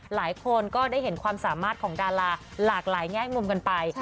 หลายคนก็ได้เห็นความสามารถของดาราหลากหลายแง่มุมกันไป